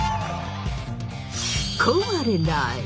壊れない！